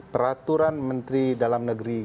peraturan menteri dalam negeri